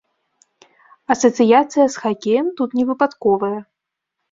Асацыяцыя з хакеем тут невыпадковая.